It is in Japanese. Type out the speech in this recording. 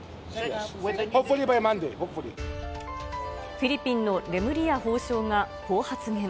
フィリピンのレムリヤ法相がこう発言。